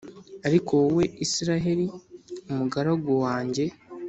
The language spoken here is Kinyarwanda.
Ariko wowe Israheli, mugaragu wanjye,